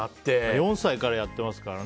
４歳からやってますからね。